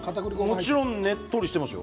もちろんねっとりしていますよ。